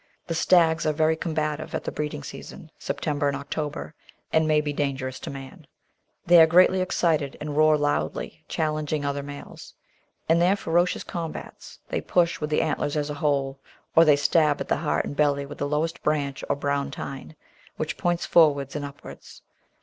The stags are very combative at the breeding season ( September and October) and may be dangerous to man. They are greatly ex cited and roar loudly, challenging other males. In their ferocious combats they push with the antlers as a whole, or they stab at the heart and belly with the lowest branch or "brown tine," which points forwards and upwards.